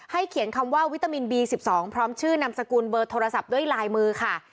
เขียนคำว่าวิตามินบี๑๒พร้อมชื่อนามสกุลเบอร์โทรศัพท์ด้วยลายมือค่ะ